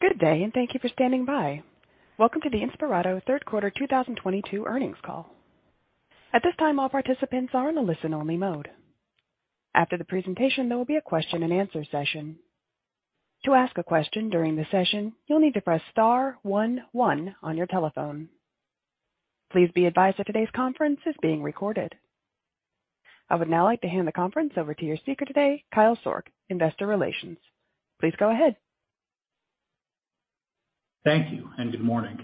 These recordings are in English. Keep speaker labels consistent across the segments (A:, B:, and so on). A: Good day, and thank you for standing by. Welcome to the Inspirato third quarter 2022 earnings call. At this time, all participants are in a listen-only mode. After the presentation, there will be a question-and-answer session. To ask a question during the session, you'll need to press star 11 on your telephone. Please be advised that today's conference is being recorded. I would now like to hand the conference over to your speaker today, Kyle Sourk, Investor Relations. Please go ahead.
B: Thank you. Good morning.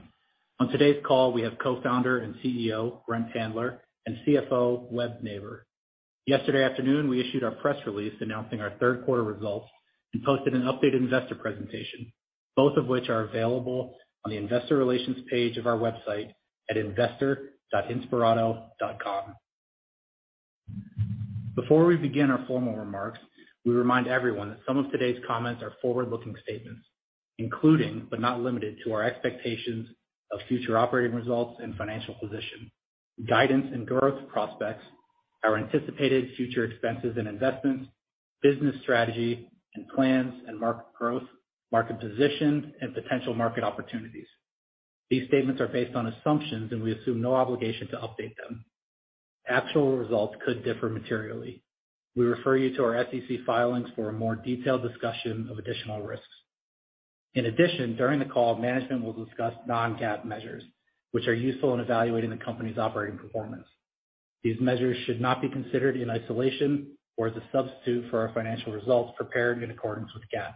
B: On today's call, we have Co-founder and CEO, Brent Handler, and CFO, Webster Neighbor. Yesterday afternoon, we issued our press release announcing our third quarter results and posted an updated investor presentation, both of which are available on the investor relations page of our website at investor.inspirato.com. Before we begin our formal remarks, we remind everyone that some of today's comments are forward-looking statements, including, but not limited to, our expectations of future operating results and financial position, guidance and growth prospects, our anticipated future expenses and investments, business strategy and plans and market growth, market position, and potential market opportunities. These statements are based on assumptions. We assume no obligation to update them. Actual results could differ materially. We refer you to our SEC filings for a more detailed discussion of additional risks. In addition, during the call, management will discuss non-GAAP measures, which are useful in evaluating the company's operating performance. These measures should not be considered in isolation or as a substitute for our financial results prepared in accordance with GAAP.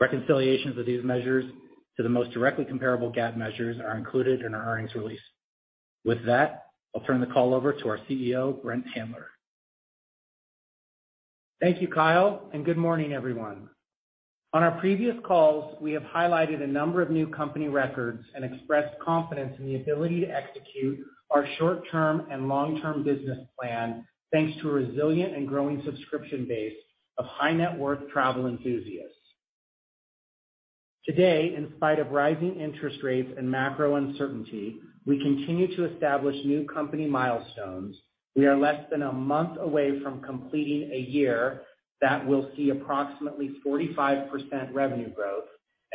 B: Reconciliations of these measures to the most directly comparable GAAP measures are included in our earnings release. With that, I'll turn the call over to our CEO, Brent Handler.
C: Thank you, Kyle. Good morning, everyone. On our previous calls, we have highlighted a number of new company records and expressed confidence in the ability to execute our short-term and long-term business plan, thanks to a resilient and growing subscription base of high-net-worth travel enthusiasts. Today, in spite of rising interest rates and macro uncertainty, we continue to establish new company milestones. We are less than a month away from completing a year that will see approximately 45% revenue growth.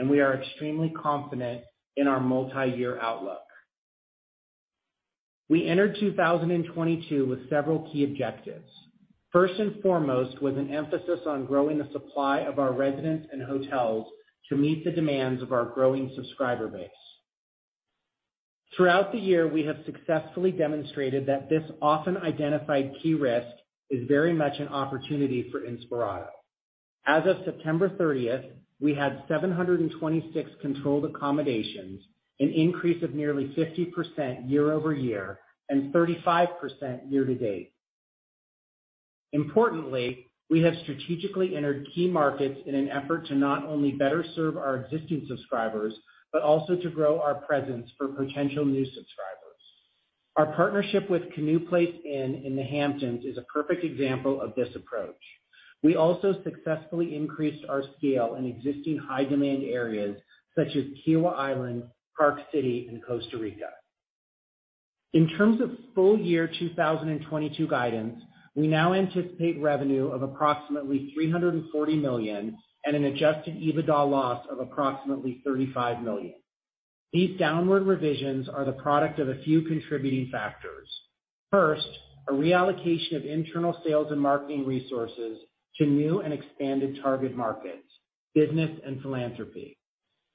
C: We are extremely confident in our multi-year outlook. We entered 2022 with several key objectives. First and foremost was an emphasis on growing the supply of our residents and hotels to meet the demands of our growing subscriber base. Throughout the year, we have successfully demonstrated that this often-identified key risk is very much an opportunity for Inspirato. As of September 30th, we had 726 controlled accommodations, an increase of nearly 50% year-over-year, and 35% year-to-date. Importantly, we have strategically entered key markets in an effort to not only better serve our existing subscribers, but also to grow our presence for potential new subscribers. Our partnership with Canoe Place Inn in the Hamptons is a perfect example of this approach. We also successfully increased our scale in existing high-demand areas such as Kiawah Island, Park City, and Costa Rica. In terms of full year 2022 guidance, we now anticipate revenue of approximately $340 million and an adjusted EBITDA loss of approximately $35 million. These downward revisions are the product of a few contributing factors. First, a reallocation of internal sales and marketing resources to new and expanded target markets, business and philanthropy.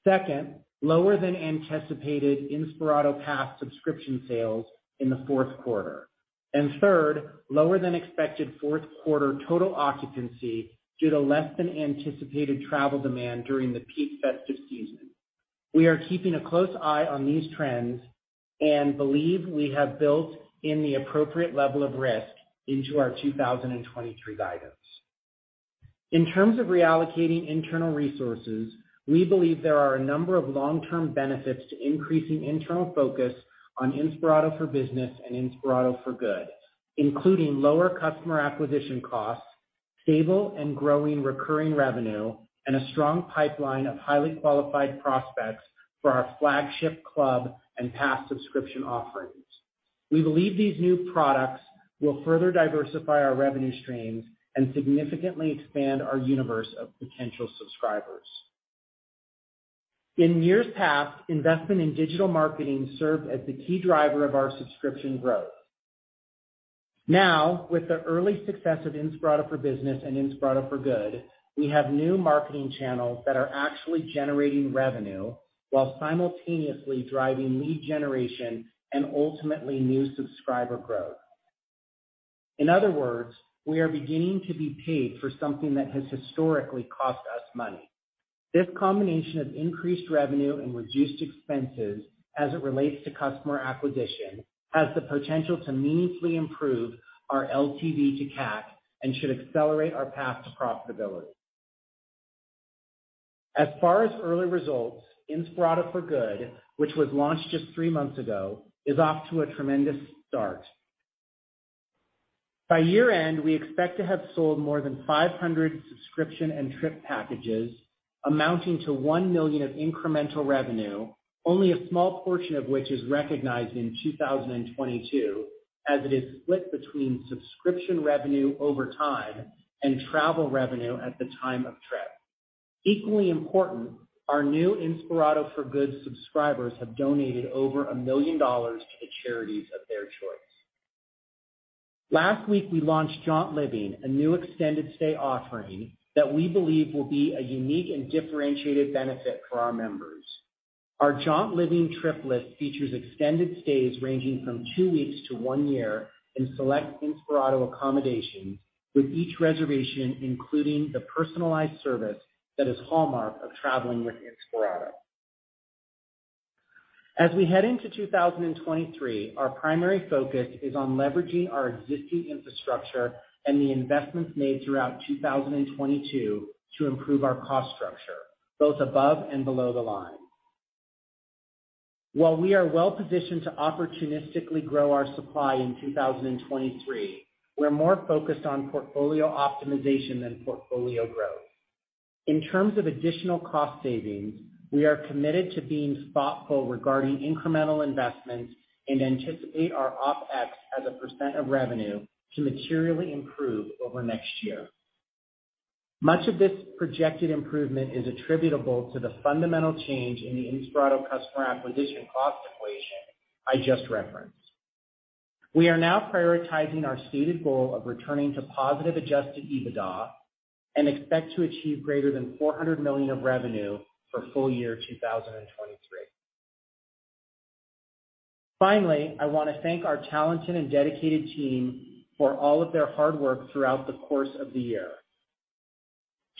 C: Second, lower than anticipated Inspirato Pass subscription sales in the fourth quarter. Third, lower than expected fourth quarter total occupancy due to less than anticipated travel demand during the peak festive season. We are keeping a close eye on these trends and believe we have built in the appropriate level of risk into our 2023 guidance. In terms of reallocating internal resources, we believe there are a number of long-term benefits to increasing internal focus on Inspirato for Business and Inspirato for Good, including lower customer acquisition costs, stable and growing recurring revenue, and a strong pipeline of highly qualified prospects for our flagship club and pass subscription offerings. We believe these new products will further diversify our revenue streams and significantly expand our universe of potential subscribers. In years past, investment in digital marketing served as the key driver of our subscription growth. With the early success of Inspirato for Business and Inspirato for Good, we have new marketing channels that are actually generating revenue while simultaneously driving lead generation and ultimately new subscriber growth. In other words, we are beginning to be paid for something that has historically cost us money. This combination of increased revenue and reduced expenses as it relates to customer acquisition has the potential to meaningfully improve our LTV to CAC and should accelerate our path to profitability. As far as early results, Inspirato for Good, which was launched just three months ago, is off to a tremendous start. By year-end, we expect to have sold more than 500 subscription and trip packages amounting to $1 million of incremental revenue, only a small portion of which is recognized in 2022. It is split between subscription revenue over time and travel revenue at the time of trip. Equally important, our new Inspirato for Good subscribers have donated over $1 million to the charities of their choice. Last week, we launched JauntLiving, a new extended stay offering that we believe will be a unique and differentiated benefit for our members. Our JauntLiving trip list features extended stays ranging from 2 weeks to 1 year in select Inspirato accommodations, with each reservation including the personalized service that is hallmark of traveling with Inspirato. As we head into 2023, our primary focus is on leveraging our existing infrastructure and the investments made throughout 2022 to improve our cost structure, both above and below the line. While we are well-positioned to opportunistically grow our supply in 2023, we're more focused on portfolio optimization than portfolio growth. In terms of additional cost savings, we are committed to being thoughtful regarding incremental investments and anticipate our OpEx as a % of revenue to materially improve over next year. Much of this projected improvement is attributable to the fundamental change in the Inspirato customer acquisition cost equation I just referenced. We are now prioritizing our stated goal of returning to positive adjusted EBITDA and expect to achieve greater than $400 million of revenue for full year 2023. Finally, I wanna thank our talented and dedicated team for all of their hard work throughout the course of the year.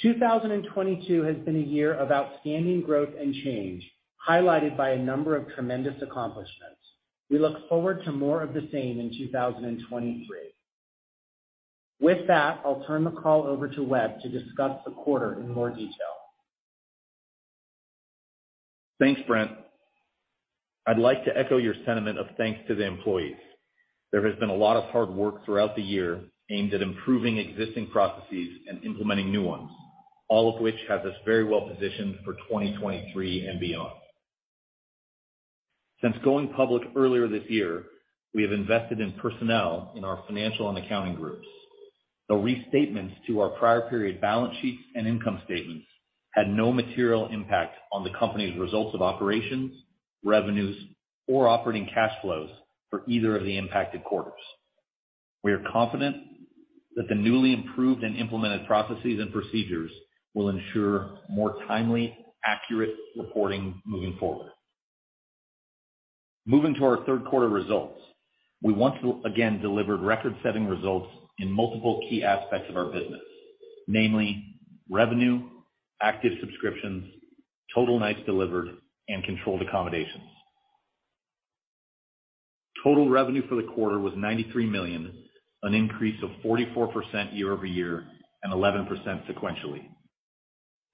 C: 2022 has been a year of outstanding growth and change, highlighted by a number of tremendous accomplishments. We look forward to more of the same in 2023. With that, I'll turn the call over to Web to discuss the quarter in more detail.
D: Thanks, Brent. I'd like to echo your sentiment of thanks to the employees. There has been a lot of hard work throughout the year aimed at improving existing processes and implementing new ones, all of which have us very well positioned for 2023 and beyond. Since going public earlier this year, we have invested in personnel in our financial and accounting groups. The restatements to our prior period balance sheets and income statements had no material impact on the company's results of operations, revenues, or operating cash flows for either of the impacted quarters. We are confident that the newly improved and implemented processes and procedures will ensure more timely, accurate reporting moving forward. Moving to our third quarter results. We once again delivered record-setting results in multiple key aspects of our business, namely revenue, active subscriptions, total nights delivered, and controlled accommodations. Total revenue for the quarter was $93 million, an increase of 44% year-over-year and 11% sequentially.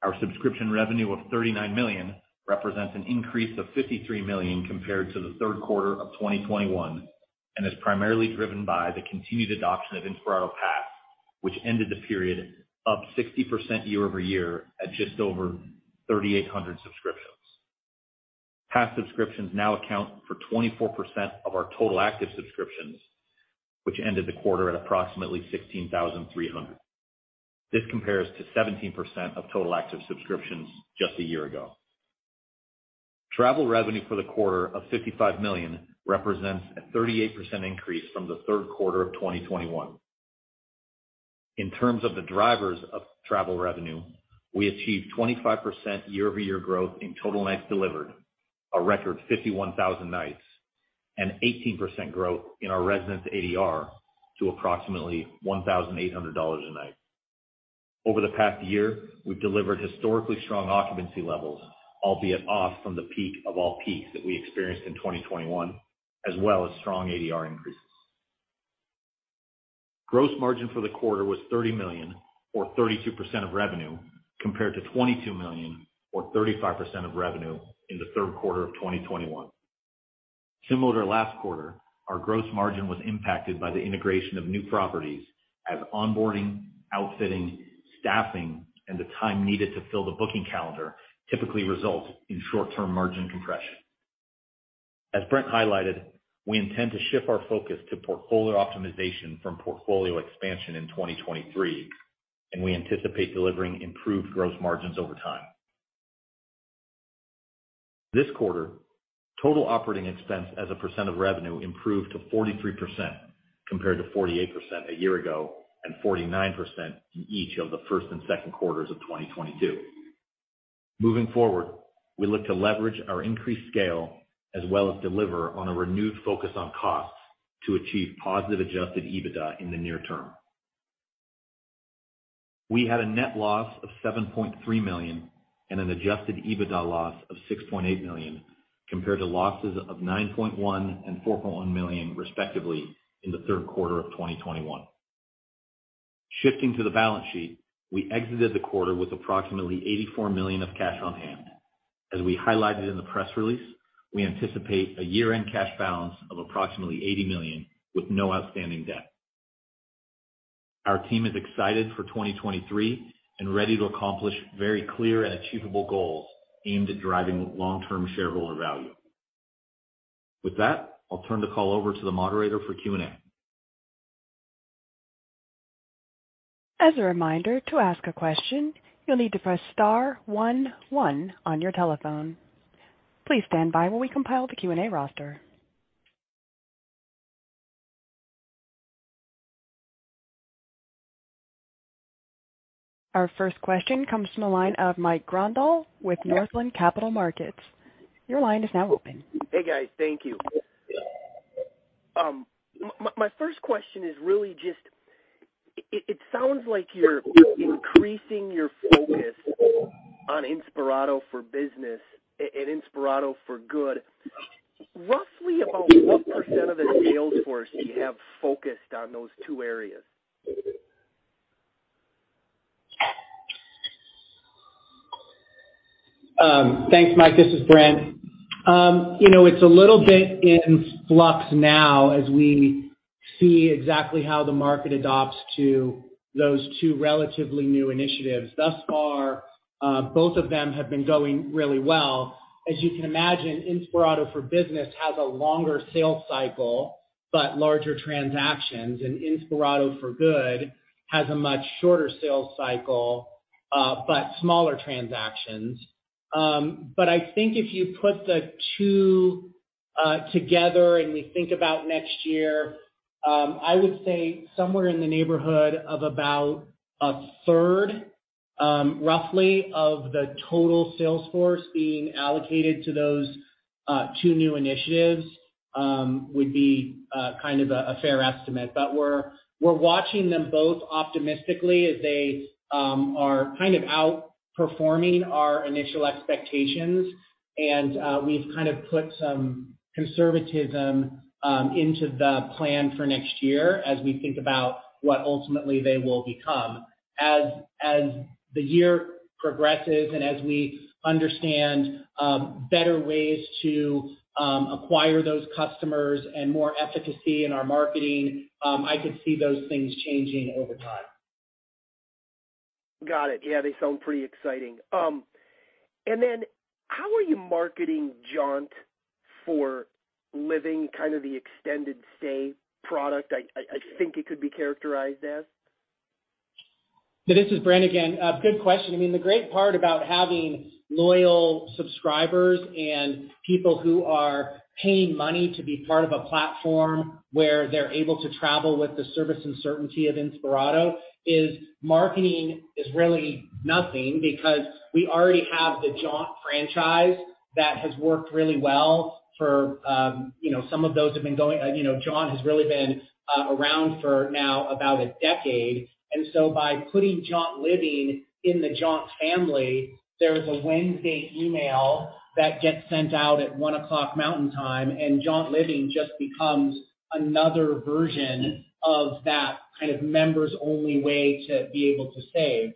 D: Our subscription revenue of $39 million represents an increase of $53 million compared to the third quarter of 2021 and is primarily driven by the continued adoption of Inspirato Pass, which ended the period up 60% year-over-year at just over 3,800 subscriptions. Pass subscriptions now account for 24% of our total active subscriptions, which ended the quarter at approximately 16,300. This compares to 17% of total active subscriptions just a year ago. Travel revenue for the quarter of $55 million represents a 38% increase from the third quarter of 2021. In terms of the drivers of travel revenue, we achieved 25% year-over-year growth in total nights delivered, a record 51,000 nights, and 18% growth in our residence ADR to approximately $1,800 a night. Over the past year, we've delivered historically strong occupancy levels, albeit off from the peak of all peaks that we experienced in 2021, as well as strong ADR increases. Gross margin for the quarter was $30 million or 32% of revenue, compared to $22 million or 35% of revenue in the third quarter of 2021. Similar to last quarter, our gross margin was impacted by the integration of new properties as onboarding, outfitting, staffing, and the time needed to fill the booking calendar typically results in short-term margin compression. As Brent highlighted, we intend to shift our focus to portfolio optimization from portfolio expansion in 2023, we anticipate delivering improved gross margins over time. This quarter, total operating expense as a percent of revenue improved to 43% compared to 48% a year ago and 49% in each of the first and second quarters of 2022. Moving forward, we look to leverage our increased scale as well as deliver on a renewed focus on costs to achieve positive adjusted EBITDA in the near term. We had a net loss of $7.3 million and an adjusted EBITDA loss of $6.8 million, compared to losses of $9.1 million and $4.1 million respectively in the third quarter of 2021. Shifting to the balance sheet, we exited the quarter with approximately $84 million of cash on hand. As we highlighted in the press release, we anticipate a year-end cash balance of approximately $80 million with no outstanding debt. Our team is excited for 2023 and ready to accomplish very clear and achievable goals aimed at driving long-term shareholder value. With that, I'll turn the call over to the moderator for Q&A.
A: As a reminder, to ask a question, you'll need to press star one one on your telephone. Please stand by while we compile the Q&A roster. Our first question comes from the line of Mike Grondahl with Northland Capital Markets. Your line is now open.
E: Hey, guys. Thank you. My first question is really just, it sounds like you're increasing your focus on Inspirato for Business and Inspirato for Good. Roughly about what % of the sales force do you have focused on those two areas?
C: Thanks, Mike. This is Brent. You know, it's a little bit in flux now as we see exactly how the market adopts to those two relatively new initiatives. Thus far, both of them have been going really well. As you can imagine, Inspirato for Business has a longer sales cycle, but larger transactions, and Inspirato for Good has a much shorter sales cycle, but smaller transactions. I think if you put the two together and we think about next year, I would say somewhere in the neighborhood of about a third, roughly of the total sales force being allocated to those two new initiatives, would be kind of a fair estimate. We're watching them both optimistically as they are kind of outperforming our initial expectations. We've kind of put some conservatism into the plan for next year as we think about what ultimately they will become. As the year progresses and as we understand better ways to acquire those customers and more efficacy in our marketing, I could see those things changing over time.
E: Got it. Yeah, they sound pretty exciting. How are you marketing JauntLiving, kind of the extended stay product I think it could be characterized as?
C: This is Brent again. Good question. I mean, the great part about having loyal subscribers and people who are paying money to be part of a platform where they're able to travel with the service and certainty of Inspirato is marketing is really nothing because we already have the Jaunt franchise that has worked really well for, you know, some of those have been going. You know, Jaunt has really been around for now about a decade. By putting JauntLiving in the Jaunt family, there is a Wednesday email that gets sent out at 1 o'clock Mountain Time, and JauntLiving just becomes another version of that kind of members-only way to be able to save.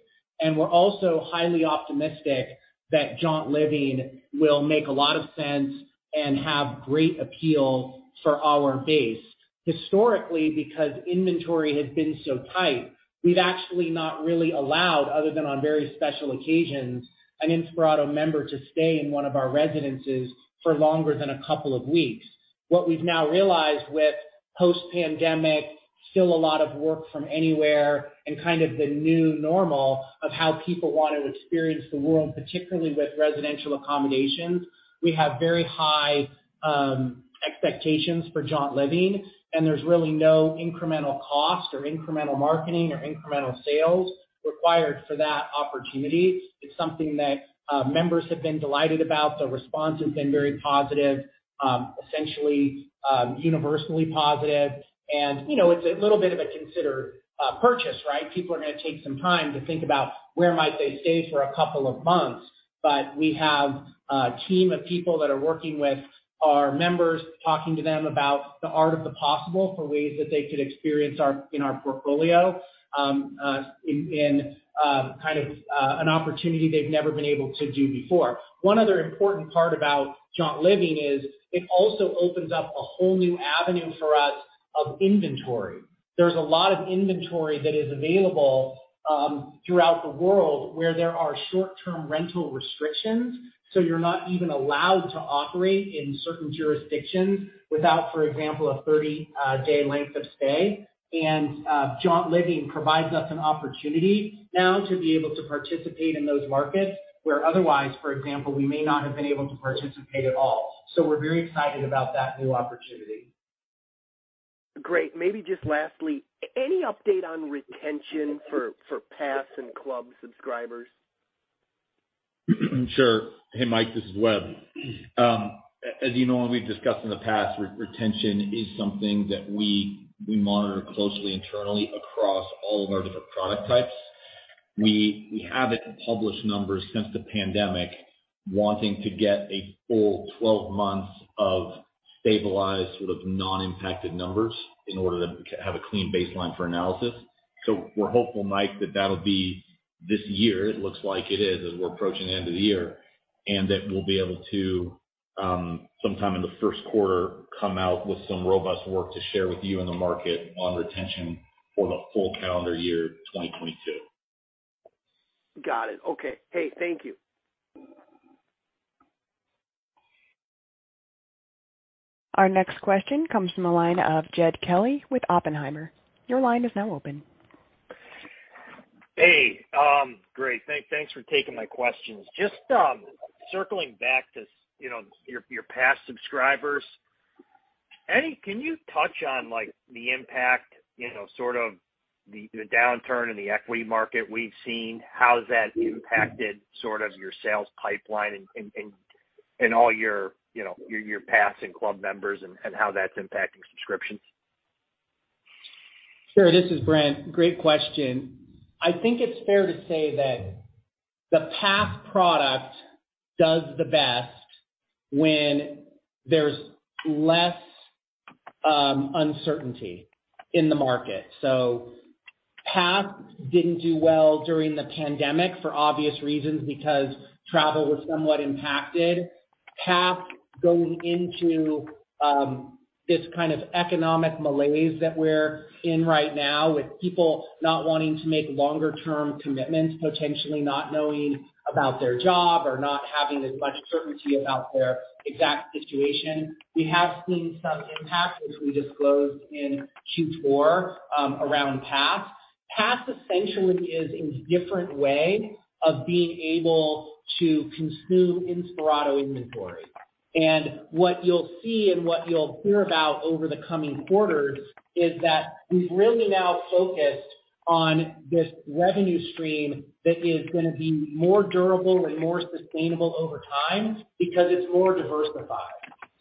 C: We're also highly optimistic that JauntLiving will make a lot of sense and have great appeal for our base. Historically, because inventory has been so tight, we've actually not really allowed, other than on very special occasions, an Inspirato member to stay in one of our residences for longer than a couple of weeks. What we've now realized with post-pandemic, still a lot of work from anywhere and kind of the new normal of how people want to experience the world, particularly with residential accommodations, we have very high expectations for JauntLiving, and there's really no incremental cost or incremental marketing or incremental sales required for that opportunity. It's something that members have been delighted about. The response has been very positive, essentially universally positive. You know, it's a little bit of a considered purchase, right? People are gonna take some time to think about where might they stay for a couple of months. We have a team of people that are working with our members, talking to them about the art of the possible for ways that they could experience in our portfolio, kind of an opportunity they've never been able to do before. One other important part about JauntLiving is it also opens up a whole new avenue for us of inventory. There's a lot of inventory that is available throughout the world where there are short-term rental restrictions, so you're not even allowed to operate in certain jurisdictions without, for example, a 30 day length of stay. JauntLiving provides us an opportunity now to be able to participate in those markets where otherwise, for example, we may not have been able to participate at all. We're very excited about that new opportunity.
E: Great. Maybe just lastly, any update on retention for Pass and Club subscribers?
D: Sure. Hey, Mike, this is Web. As you know, and we've discussed in the past, retention is something that we monitor closely internally across all of our different product types. We haven't published numbers since the pandemic wanting to get a full 12 months of stabilized, sort of non-impacted numbers in order to have a clean baseline for analysis. We're hopeful, Mike, that'll be this year. It looks like it is as we're approaching the end of the year. That we'll be able to, sometime in the first quarter, come out with some robust work to share with you in the market on retention for the full calendar year, 2022.
E: Got it. Okay. Hey, thank you.
A: Our next question comes from the line of Jed Kelly with Oppenheimer. Your line is now open.
F: Hey, great. Thanks for taking my questions. Just, circling back to, you know, your past subscribers. Can you touch on, like, the impact, you know, sort of the downturn in the equity market we've seen? How has that impacted sort of your sales pipeline and all your, you know, your Pass and Club members and how that's impacting subscriptions?
C: Sure. This is Brent. Great question. I think it's fair to say that the Pass product does the best when there's less uncertainty in the market. Pass didn't do well during the pandemic for obvious reasons because travel was somewhat impacted. Pass going into this kind of economic malaise that we're in right now with people not wanting to make longer term commitments, potentially not knowing about their job or not having as much certainty about their exact situation. We have seen some impact as we disclosed in Q4 around Pass. Pass essentially is a different way of being able to consume Inspirato inventory. What you'll see and what you'll hear about over the coming quarters is that we've really now focused on this revenue stream that is gonna be more durable and more sustainable over time because it's more diversified.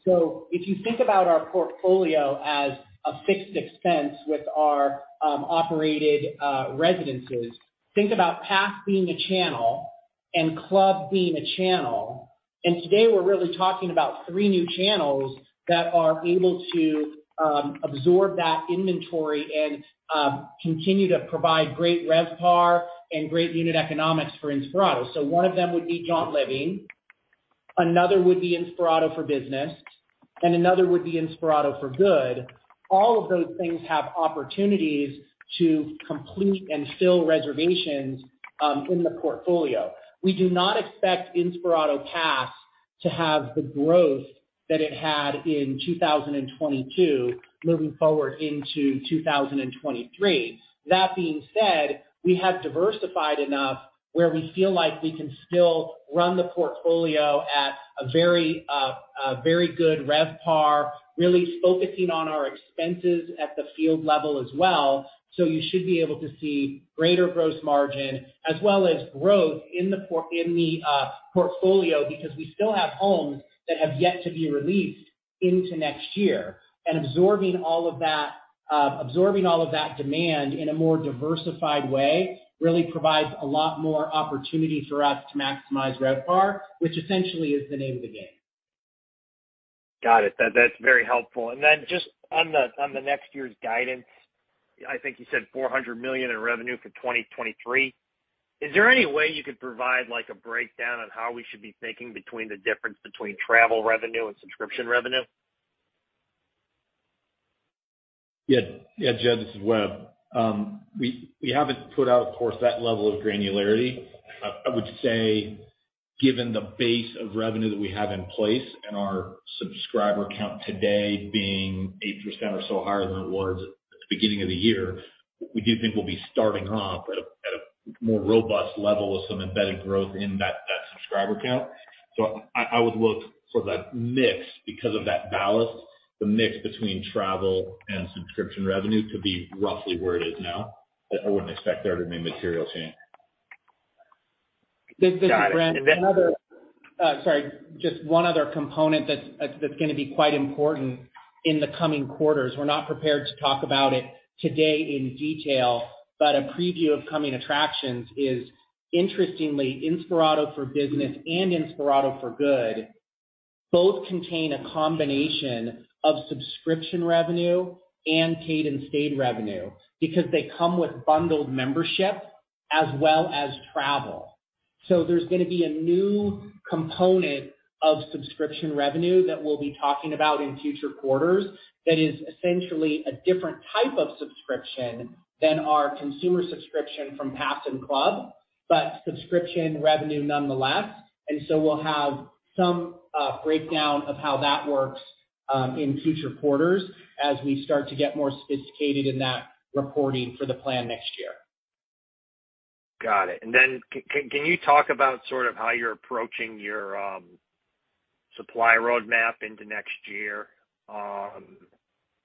C: If you think about our portfolio as a fixed expense with our operated residences, think about Pass being a channel and Club being a channel. Today we're really talking about three new channels that are able to absorb that inventory and continue to provide great RevPAR and great unit economics for Inspirato. One of them would be JauntLiving, another would be Inspirato for Business, and another would be Inspirato for Good. All of those things have opportunities to complete and fill reservations in the portfolio. We do not expect Inspirato Pass to have the growth that it had in 2022 moving forward into 2023. That being said, we have diversified enough where we feel like we can still run the portfolio at a very, a very good RevPAR, really focusing on our expenses at the field level as well. You should be able to see greater gross margin as well as growth in the portfolio because we still have homes that have yet to be released into next year. Absorbing all of that, absorbing all of that demand in a more diversified way really provides a lot more opportunity for us to maximize RevPAR, which essentially is the name of the game.
F: Got it. That's very helpful. Then just on the, on the next year's guidance, I think you said $400 million in revenue for 2023. Is there any way you could provide like a breakdown on how we should be thinking between the difference between travel revenue and subscription revenue?
D: Yeah. Yeah, Jed, this is Web. We haven't put out, of course, that level of granularity. I would say given the base of revenue that we have in place and our subscriber count today being 8% or so higher than it was at the beginning of the year, we do think we'll be starting off at a, at a more robust level with some embedded growth in that subscriber count. I would look for that mix because of that ballast, the mix between travel and subscription revenue to be roughly where it is now. I wouldn't expect there to be material change.
F: Got it.
C: This is Brent. Sorry, just one other component that's gonna be quite important in the coming quarters. We're not prepared to talk about it today in detail, but a preview of coming attractions is interestingly, Inspirato for Business and Inspirato for Good both contain a combination of subscription revenue and paid and stayed revenue because they come with bundled membership as well as travel. There's gonna be a new component of subscription revenue that we'll be talking about in future quarters that is essentially a different type of subscription than our consumer subscription from Pass and Club, but subscription revenue nonetheless. We'll have some breakdown of how that works in future quarters as we start to get more sophisticated in that reporting for the plan next year.
F: Got it. Can you talk about sort of how you're approaching your supply roadmap into next year?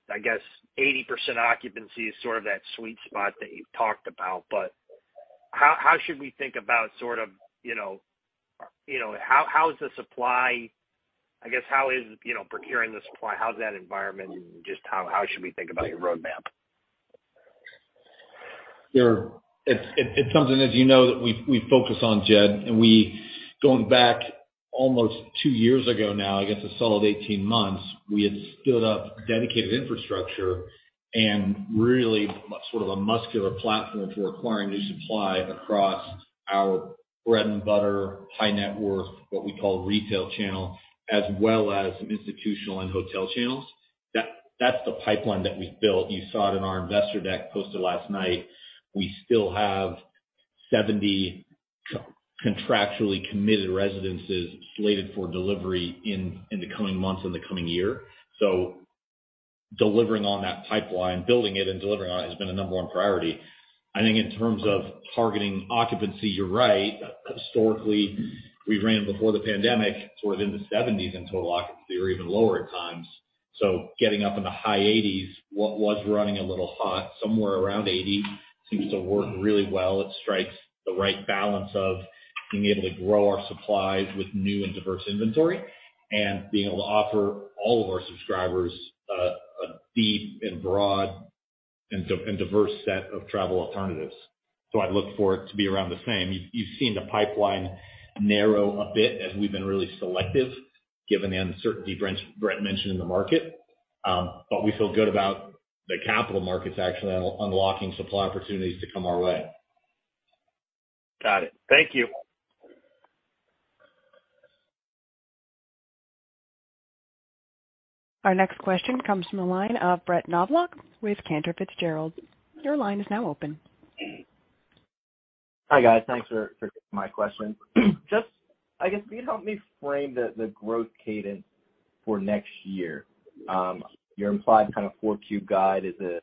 F: I guess 80% occupancy is sort of that sweet spot that you've talked about, but how should we think about sort of, you know, how is the supply... I guess how is, you know, procuring the supply, how's that environment and just how should we think about your roadmap?
D: Sure. It's something, as you know, that we focus on Jed, going back almost two years ago now, I guess a solid 18 months, we had stood up dedicated infrastructure and really sort of a muscular platform for acquiring new supply across our bread and butter high net worth, what we call retail channel, as well as some institutional and hotel channels. That's the pipeline that we've built. You saw it in our investor deck posted last night. We still have 70 co-contractually committed residences slated for delivery in the coming months or the coming year. Delivering on that pipeline, building it and delivering on it has been the number one priority. I think in terms of targeting occupancy, you're right. Historically, we ran before the pandemic towards into seventies in total occupancy or even lower at times. Getting up in the high 80s, what was running a little hot somewhere around 80 seems to work really well. It strikes the right balance of being able to grow our supplies with new and diverse inventory and being able to offer all of our subscribers, a deep and broad and diverse set of travel alternatives. I look for it to be around the same. You, you've seen the pipeline narrow a bit as we've been really selective given the uncertainty Brent, Brett mentioned in the market. We feel good about the capital markets actually unlocking supply opportunities to come our way.
F: Got it. Thank you.
A: Our next question comes from the line of Brett Knoblauch with Cantor Fitzgerald. Your line is now open.
G: Hi, guys. Thanks for taking my question. Just, I guess, can you help me frame the growth cadence for next year? Your implied kind of Q4 guide is a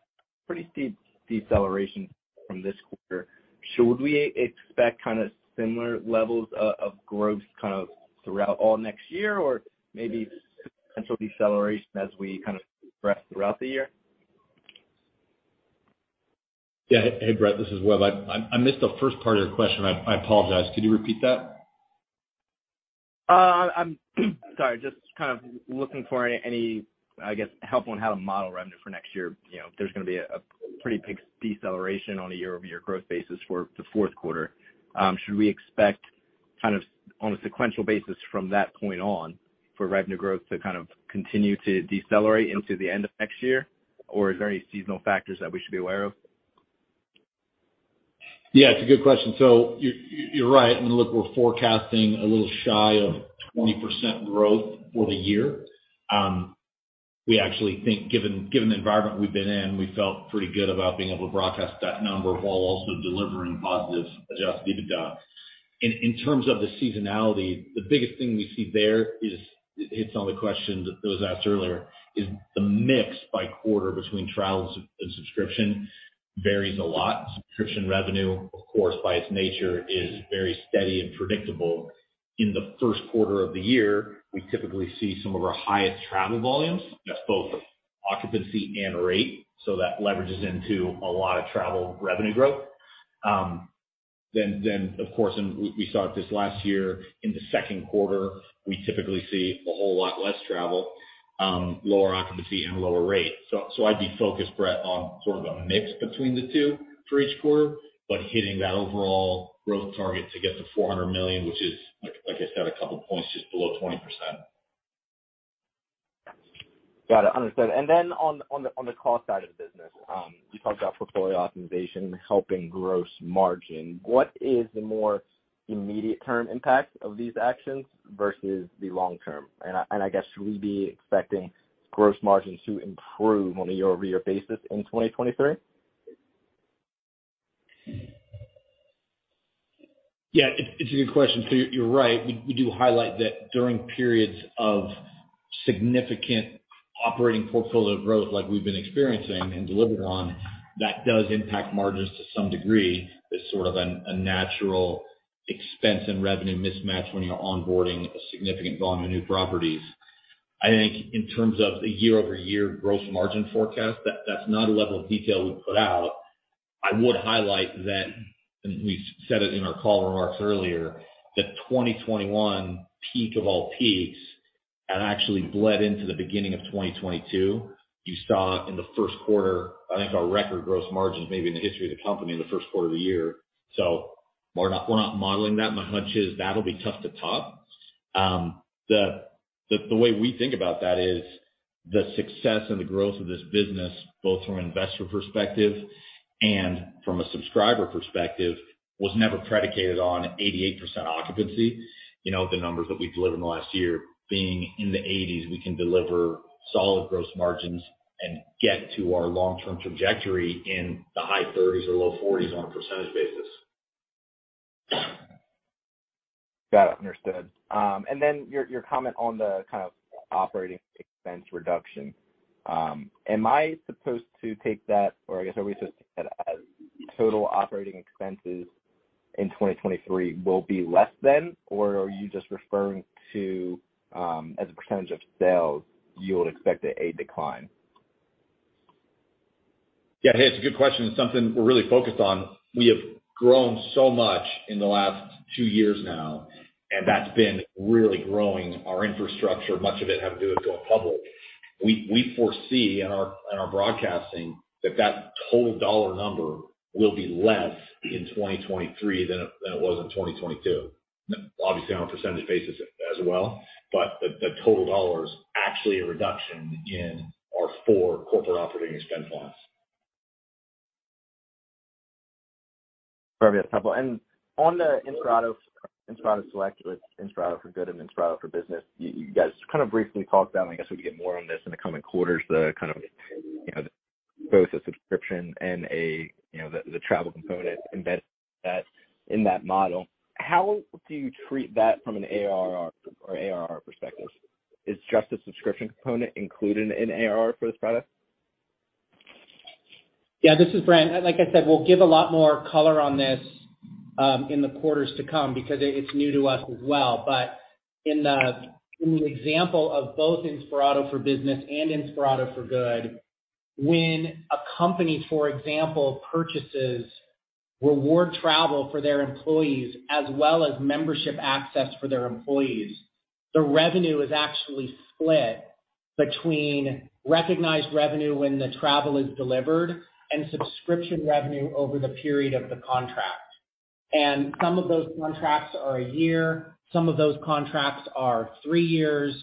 G: pretty steep deceleration from this quarter. Should we expect kind of similar levels of growth kind of throughout all next year or maybe potential deceleration as we kind of progress throughout the year?
D: Yeah. Hey, Brett, this is Web. I missed the first part of your question. I apologize. Could you repeat that?
G: I'm sorry. Just kind of looking for any, I guess, help on how to model revenue for next year. You know, if there's gonna be a pretty big deceleration on a year-over-year growth basis for the fourth quarter, should we expect kind of on a sequential basis from that point on for revenue growth to kind of continue to decelerate into the end of next year? Is there any seasonal factors that we should be aware of?
D: Yeah, it's a good question. You're right. I mean, look, we're forecasting a little shy of 20% growth for the year. We actually think, given the environment we've been in, we felt pretty good about being able to broadcast that number while also delivering positive adjusted EBITDA. In terms of the seasonality, the biggest thing we see there is it hits on the question that was asked earlier is the mix by quarter between travel subscription varies a lot. Subscription revenue, of course, by its nature, is very steady and predictable. In the first quarter of the year, we typically see some of our highest travel volumes. That's both occupancy and rate, so that leverages into a lot of travel revenue growth. Of course, and we saw this last year in the second quarter, we typically see a whole lot less travel, lower occupancy and lower rate. I'd be focused, Brett, on sort of a mix between the two for each quarter, but hitting that overall growth target to get to $400 million, which is, like I said, a couple points just below 20%.
G: Got it. Understood. On the cost side of the business, you talked about portfolio optimization helping gross margin. What is the more immediate term impact of these actions versus the long term? I guess, should we be expecting gross margins to improve on a year-over-year basis in 2023?
D: Yeah, it's a good question. You're right. We do highlight that during periods of significant operating portfolio growth like we've been experiencing and delivered on, that does impact margins to some degree. It's sort of a natural expense and revenue mismatch when you're onboarding a significant volume of new properties. I think in terms of the year-over-year gross margin forecast, that's not a level of detail we put out. I would highlight that, and we said it in our call remarks earlier, that 2021 peak of all peaks had actually bled into the beginning of 2022. You saw in the first quarter, I think a record gross margins maybe in the history of the company in the first quarter of the year. We're not modeling that. My hunch is that'll be tough to top. The way we think about that is the success and the growth of this business, both from an investor perspective and from a subscriber perspective, was never predicated on 88% occupancy. You know, the numbers that we delivered in the last year being in the 80s, we can deliver solid gross margins and get to our long-term trajectory in the high 30s or low 40s on a percentage basis.
G: Got it, understood. Then your comment on the kind of operating expense reduction. Am I supposed to take that or I guess are we supposed to take that as total operating expenses in 2023 will be less than? Or are you just referring to, as a percentage of sales, you would expect a decline?
D: It's a good question. It's something we're really focused on. We have grown so much in the last 2 years now, and that's been really growing our infrastructure, much of it having to do with going public. We foresee in our broadcasting that total dollar number will be less in 2023 than it was in 2022. Obviously, on a percentage basis as well. The total dollar is actually a reduction in our 4 corporate operating expense lines.
G: Sorry, I had a couple. On the Inspirato Select with Inspirato for Good and Inspirato for Business, you guys kind of briefly talked about them. I guess we can get more on this in the coming quarters, the kind of, you know, both the subscription and, you know, the travel component embedded in that, in that model. How do you treat that from an ARR perspective? Is just the subscription component included in ARR for this product?
C: Yeah, this is Brent. Like I said, we'll give a lot more color on this in the quarters to come because it's new to us as well. In the, in the example of both Inspirato for Business and Inspirato for Good, when a company, for example, purchases reward travel for their employees as well as membership access for their employees, the revenue is actually split between recognized revenue when the travel is delivered and subscription revenue over the period of the contract. Some of those contracts are a year, some of those contracts are three years.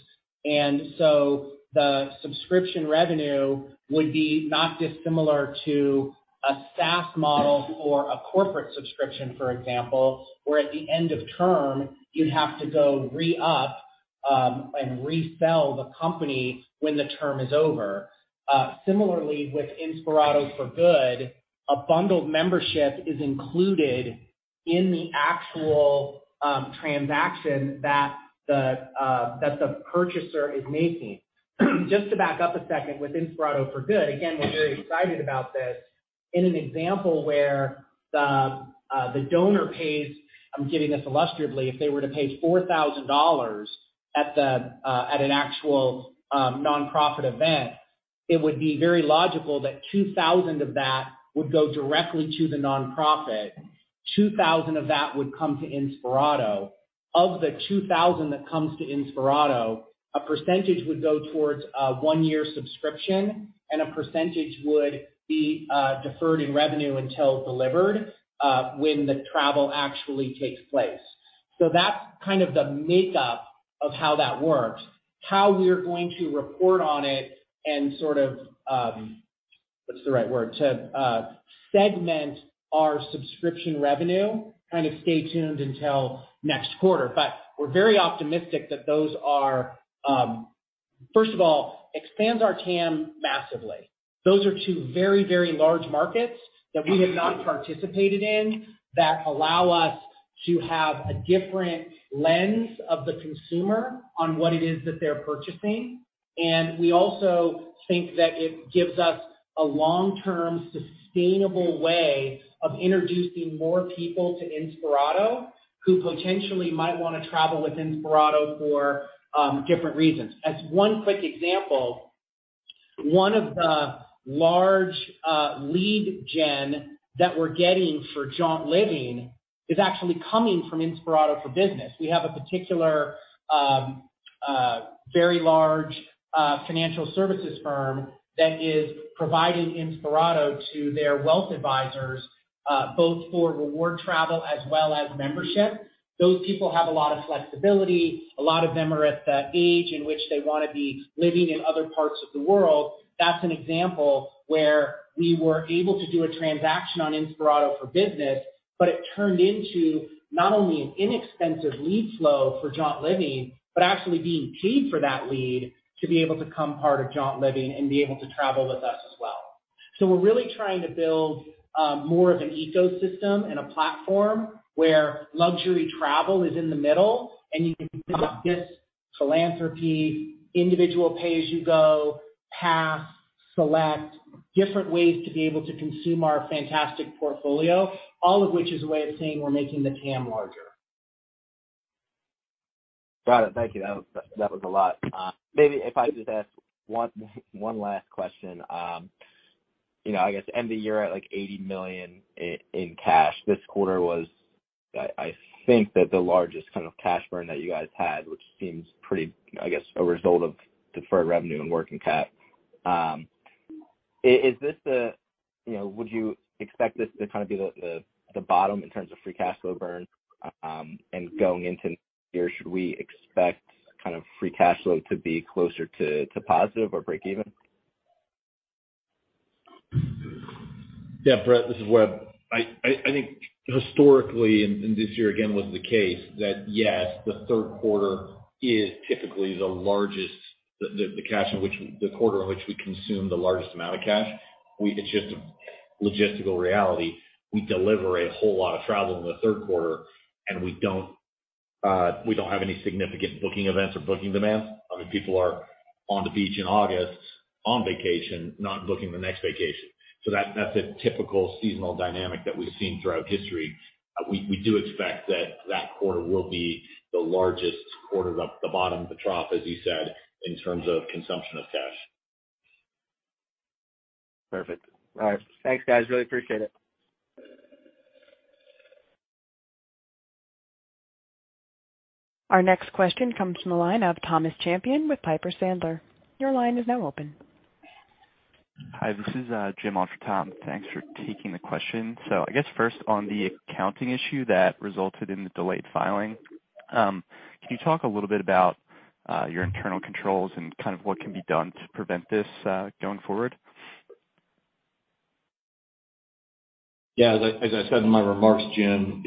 C: The subscription revenue would be not dissimilar to a SaaS model or a corporate subscription, for example, where at the end of term, you have to go re-up and resell the company when the term is over. Similarly with Inspirato for Good, a bundled membership is included in the actual transaction that the purchaser is making. Just to back up a second with Inspirato for Good, again, we're very excited about this. In an example where the donor pays, I'm giving this illustratively, if they were to pay $4,000 at the at an actual nonprofit event, it would be very logical that $2,000 of that would go directly to the nonprofit. $2,000 of that would come to Inspirato. Of the $2,000 that comes to Inspirato, a percentage would go towards a one-year subscription and a percentage would be deferred in revenue until delivered when the travel actually takes place. That's kind of the makeup of how that works. How we're going to report on it and sort of, what's the right word? To segment our subscription revenue, kind of stay tuned until next quarter. We're very optimistic that those are first of all, expands our TAM massively. Those are two very, very large markets that we have not participated in that allow us to have a different lens of the consumer on what it is that they're purchasing. We also think that it gives us a long-term sustainable way of introducing more people to Inspirato, who potentially might wanna travel with Inspirato for different reasons. As one quick example, one of the large, lead gen that we're getting for JauntLiving is actually coming from Inspirato for Business. We have a particular very large financial services firm that is providing Inspirato to their wealth advisors, both for reward travel as well as membership. Those people have a lot of flexibility. A lot of them are at the age in which they wanna be living in other parts of the world. That's an example where we were able to do a transaction on Inspirato for Business, but it turned into not only an inexpensive lead flow for JauntLiving, but actually being paid for that lead to be able to become part of JauntLiving and be able to travel with us as well. We're really trying to build more of an ecosystem and a platform where luxury travel is in the middle and you can think about this philanthropy, individual pay-as-you-go, Pass, Select, different ways to be able to consume our fantastic portfolio, all of which is a way of saying we're making the TAM larger.
G: Got it. Thank you. That was, that was a lot. Maybe if I could just ask one last question. You know, I guess end of year at like $80 million in cash. This quarter was I think that the largest kind of cash burn that you guys had, which seems pretty, I guess, a result of deferred revenue and working cap. Is this the, you know, would you expect this to kind of be the bottom in terms of free cash flow burn, and going into next year? Should we expect kind of free cash flow to be closer to positive or breakeven?
D: Yeah, Brett, this is Web. I think historically, and this year again was the case, that, yes, the third quarter is typically the largest, the quarter in which we consume the largest amount of cash. It's just a logistical reality. We deliver a whole lot of travel in the third quarter, and we don't have any significant booking events or booking demands. I mean, people are on the beach in August on vacation, not booking the next vacation. That's a typical seasonal dynamic that we've seen throughout history. We do expect that that quarter will be the largest quarter, the bottom of the trough, as you said, in terms of consumption of cash.
G: Perfect. All right. Thanks, guys. Really appreciate it.
A: Our next question comes from the line of Thomas Champion with Piper Sandler. Your line is now open.
H: Hi, this is Jim on for Tom. Thanks for taking the question. I guess first on the accounting issue that resulted in the delayed filing, can you talk a little bit about? Your internal controls and kind of what can be done to prevent this going forward?
D: Yeah. As I said in my remarks, Jim,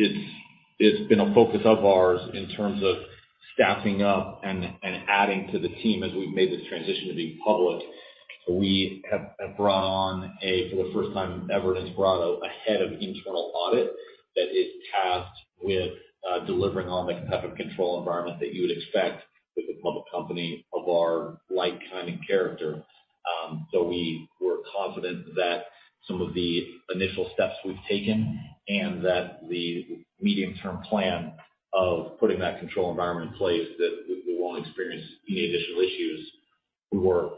D: it's been a focus of ours in terms of staffing up and adding to the team as we've made this transition to being public. We have brought on for the first time ever, a head of internal audit that is tasked with delivering on the type of control environment that you would expect with a public company of our like kind and character. So we're confident that some of the initial steps we've taken and that the medium-term plan of putting that control environment in place that we won't experience any additional issues. We were,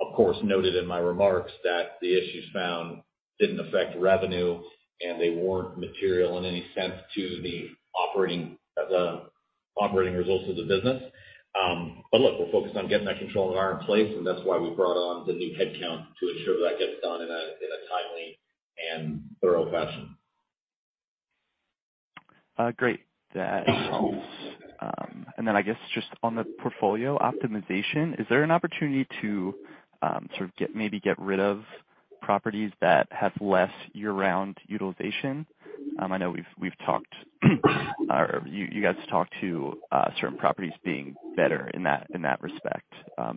D: of course, noted in my remarks that the issues found didn't affect revenue, and they weren't material in any sense to the operating results of the business. Look, we're focused on getting that control environment in place, and that's why we brought on the new headcount to ensure that gets done in a timely and thorough fashion.
H: Great. That helps. I guess just on the portfolio optimization, is there an opportunity to sort of maybe get rid of properties that have less year-round utilization? I know we've talked or you guys talked to certain properties being better in that respect,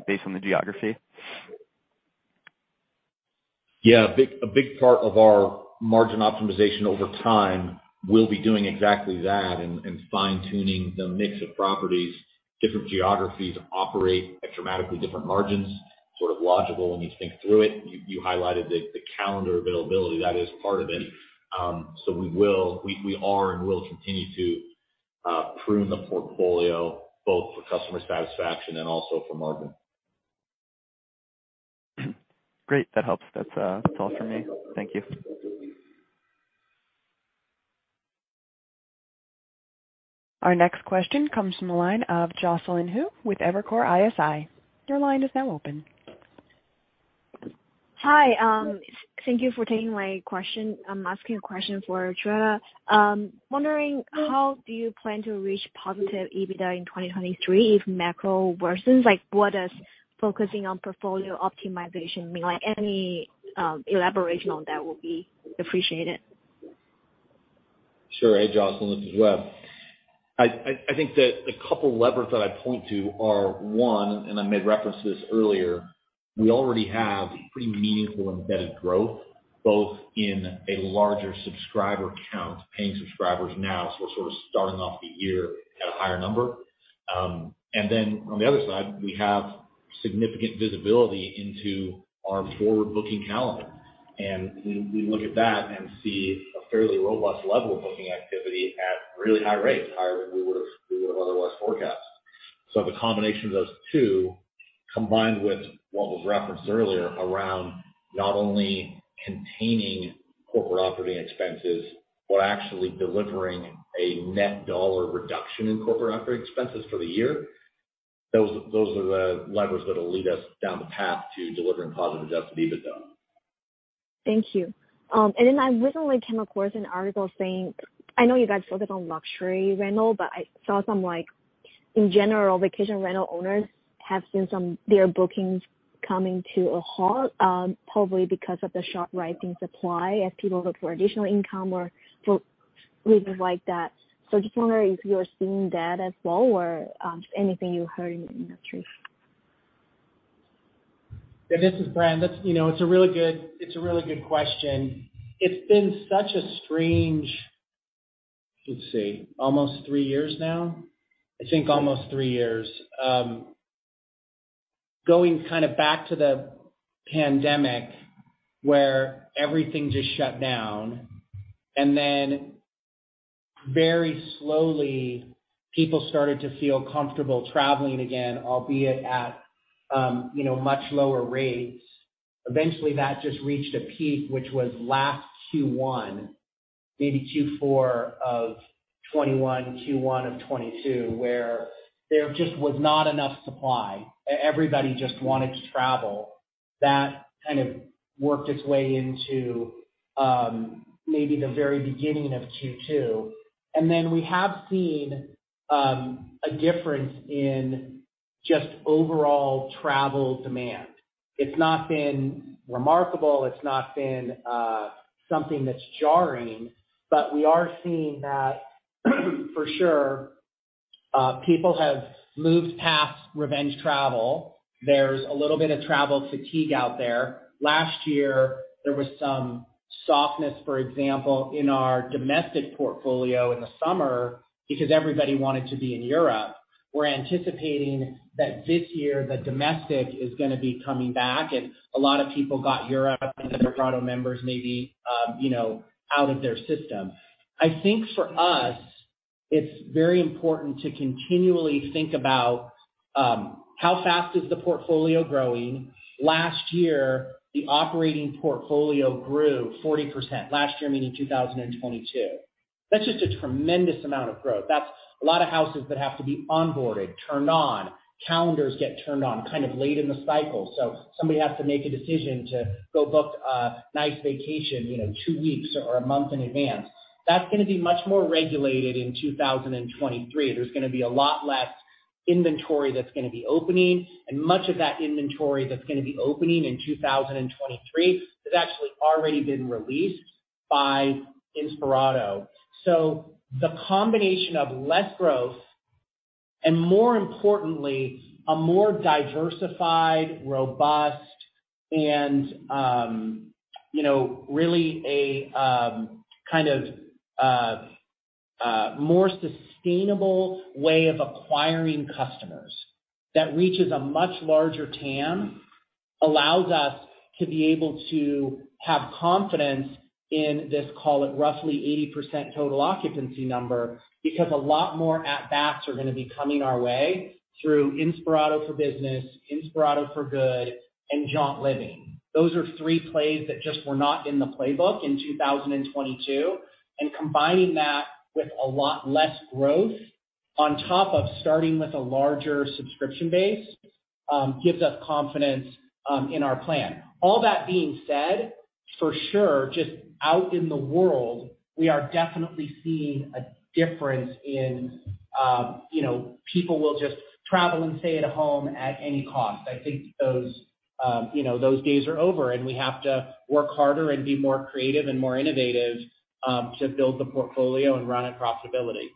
H: based on the geography.
D: Yeah. A big part of our margin optimization over time will be doing exactly that and fine tuning the mix of properties. Different geographies operate at dramatically different margins, sort of logical when you think through it. You highlighted the calendar availability. That is part of it. We are and will continue to prune the portfolio both for customer satisfaction and also for margin.
H: Great. That helps. That's all for me. Thank you.
A: Our next question comes from the line of Jocelyn Hung with Evercore ISI. Your line is now open.
I: Hi. Thank you for taking my question. I'm asking a question for Joe. Wondering how do you plan to reach positive EBITDA in 2023 if macro worsens? Like, what does focusing on portfolio optimization mean? Like, any elaboration on that will be appreciated.
D: Sure. Hey, Jocelyn. This is Web. I think that a couple levers that I point to are, one, and I made reference to this earlier, we already have pretty meaningful embedded growth, both in a larger subscriber count, paying subscribers now. We're sort of starting off the year at a higher number. Then on the other side, we have significant visibility into our forward-booking calendar. We look at that and see a fairly robust level of booking activity at really high rates, higher than we would've otherwise forecast. The combination of those two, combined with what was referenced earlier around not only containing corporate operating expenses, but actually delivering a net dollar reduction in corporate operating expenses for the year, those are the levers that'll lead us down the path to delivering positive adjusted EBITDA.
I: Thank you. I recently came across an article saying I know you guys focus on luxury rental, but I saw some, like, in general, vacation rental owners have seen their bookings coming to a halt, probably because of the sharp rise in supply as people look for additional income or for reasons like that. I just wonder if you're seeing that as well or anything you heard in the industry?
C: Yeah, this is Brent. That's, you know, It's a really good question. It's been such a strange, let's see, almost three years now. I think almost three years. Going kind of back to the pandemic where everything just shut down, and then very slowly people started to feel comfortable traveling again, albeit at, you know, much lower rates. Eventually, that just reached a peak, which was last Q1, maybe Q4 of 2021, Q1 of 2022, where there just was not enough supply. Everybody just wanted to travel. That kind of worked its way into, maybe the very beginning of Q2. We have seen a difference in just overall travel demand. It's not been remarkable. It's not been something that's jarring. We are seeing that for sure, people have moved past revenge travel. There's a little bit of travel fatigue out there. Last year, there was some softness, for example, in our domestic portfolio in the summer because everybody wanted to be in Europe. We're anticipating that this year the domestic is going to be coming back, and a lot of people got Europe and other Toronto members maybe, you know, out of their system. I think for us, it's very important to continually think about how fast is the portfolio growing. Last year, the operating portfolio grew 40%. Last year meaning 2022. That's just a tremendous amount of growth. That's a lot of houses that have to be onboarded, turned on. Calendars get turned on kind of late in the cycle. Somebody has to make a decision to go book a nice vacation, you know, two weeks or a month in advance. That's gonna be much more regulated in 2023. There's gonna be a lot less Inventory that's gonna be opening, and much of that inventory that's gonna be opening in 2023 has actually already been released by Inspirato. The combination of less growth and more importantly, a more diversified, robust and, you know, really a kind of more sustainable way of acquiring customers that reaches a much larger TAM, allows us to be able to have confidence in this, call it roughly 80% total occupancy number, because a lot more at-bats are gonna be coming our way through Inspirato for Business, Inspirato for Good, and Jaunt Living. Those are 3 plays that just were not in the playbook in 2022. Combining that with a lot less growth on top of starting with a larger subscription base, gives us confidence in our plan. All that being said, for sure, just out in the world, we are definitely seeing a difference in, you know, people will just travel and stay at home at any cost. I think those, you know, those days are over. We have to work harder and be more creative and more innovative to build the portfolio and run it profitability.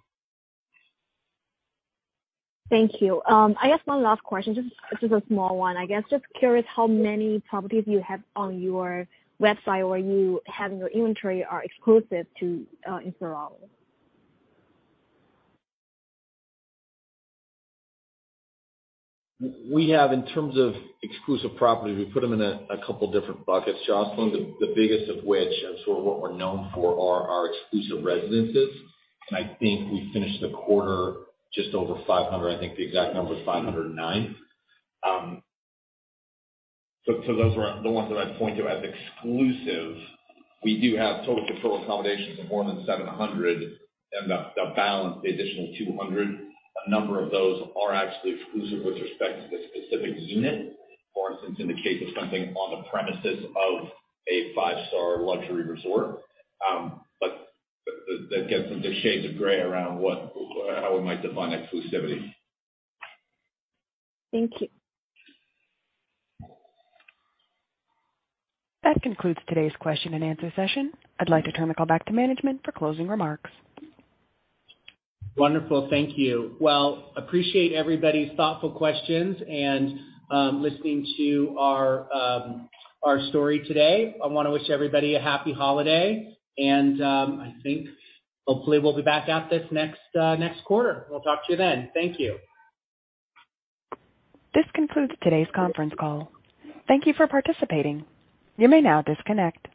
I: Thank you. I guess one last question. Just a small one, I guess. Just curious how many properties you have on your website, or you have in your inventory are exclusive to Inspirato?
C: We have, in terms of exclusive properties, we put them in a couple different buckets, Jocelyn. The biggest of which, and sort of what we're known for, are our exclusive residences. I think we finished the quarter just over 500. I think the exact number is 509. Those are the ones that I'd point to as exclusive. We do have total control accommodations of more than 700, the balance, the additional 200. A number of those are actually exclusive with respect to the specific unit, for instance, in the case of something on the premises of a five-star luxury resort. That gets into shades of gray around how we might define exclusivity.
I: Thank you.
A: That concludes today's question and answer session. I'd like to turn the call back to management for closing remarks.
C: Wonderful. Thank you. Appreciate everybody's thoughtful questions and, listening to our story today. I wanna wish everybody a happy holiday, I think hopefully we'll be back at this next quarter. We'll talk to you then. Thank you.
A: This concludes today's conference call. Thank you for participating. You may now disconnect.